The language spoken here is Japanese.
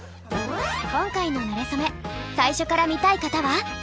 今回のなれそめ最初から見たい方は。